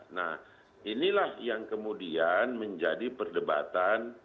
nah inilah yang kemudian menjadi perdebatan